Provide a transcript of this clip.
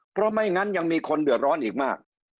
เพราะไม่งั้นยังมีคนเดือดร้อนอีกมาก